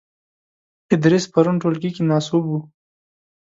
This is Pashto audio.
ادریس پرون ټولګې کې ناسوب وو .